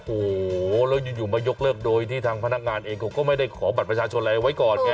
โอ้โหแล้วอยู่มายกเลิกโดยที่ทางพนักงานเองเขาก็ไม่ได้ขอบัตรประชาชนอะไรไว้ก่อนไง